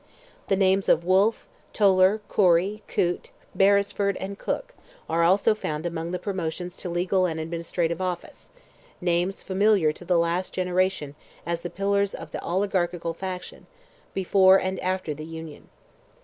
The names of Wolfe, Toler, Corry, Coote, Beresford, and Cooke, are also found among the promotions to legal and administrative office; names familiar to the last generation as the pillars of the oligarchical faction, before and after the Union.